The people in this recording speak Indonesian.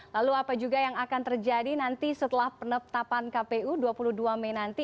lalu apa juga yang akan terjadi nanti setelah penetapan kpu dua puluh dua mei nanti